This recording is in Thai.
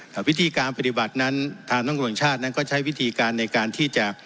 แต่วิธีการปฏิบัตินั้นทางตำรวจชาตินั้นก็ใช้วิธีการในการที่จะ